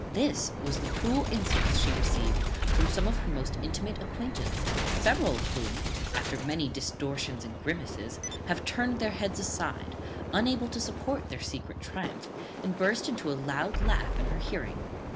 This was the cruel insults she received from some of her most intimate acquaintance, several of whom, after many distortions and grimaces, have turned their heads aside, unable to support their secret triumph, and burst into a loud laugh in her hearing."